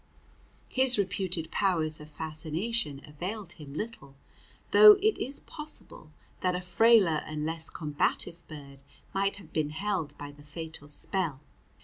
His reputed powers of fascination availed him little, though it is possible that a frailer and less combative bird might have been held by the fatal spell.